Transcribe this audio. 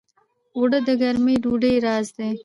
اوړه د ګرمې ډوډۍ راز دي